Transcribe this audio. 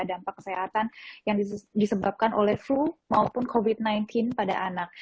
dampak kesehatan yang disebabkan oleh flu maupun covid sembilan belas pada anak